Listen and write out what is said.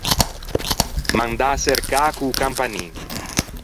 Mandâ à çercâ co-o campanin.